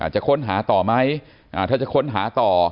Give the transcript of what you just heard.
จะค้นหาต่อไหมถ้าจะค้นหาต่อ